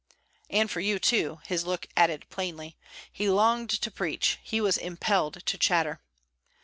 And for you too! his look added plainly. He longed to preach; he was impelled to chatter.